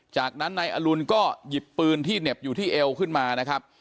จากนั้นนายอรุณก็หยิบปืนที่เหน็บอยู่ที่เอวขึ้นมานะครับ